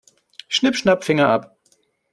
Schnipp-schnapp, Finger ab.